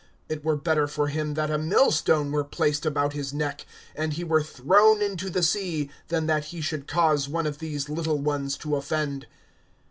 (2)It were better for him that a mill stone were placed about his neck, and he were thrown into the sea, than that he should cause one of these little ones to offend.